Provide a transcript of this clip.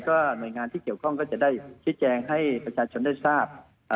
หน่วยงานที่เกี่ยวข้องก็จะได้ชี้แจงให้ประชาชนได้ทราบ